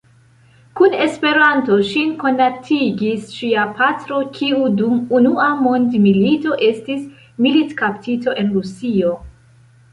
Kun Esperanto ŝin konatigis ŝia patro, kiu dum Unua mondmilito estis militkaptito en Rusio.